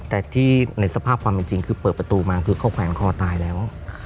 แต่ที่ในสภาพความจริงคือเปิดประตูมาคือเขาแขวนคอตายแล้ว